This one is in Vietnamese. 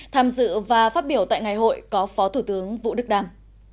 tham dự và phát biểu tại ngày hội có phó thủ tướng vũ đức đàm